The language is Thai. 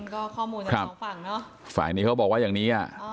ก็ข้อมูลทั้งสองฝั่งเนอะฝ่ายนี้เขาบอกว่าอย่างนี้อ่ะ